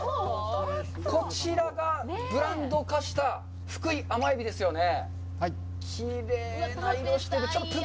こちらがブランド化した「ふくい甘えび」ですよね？